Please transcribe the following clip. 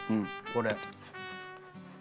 これ。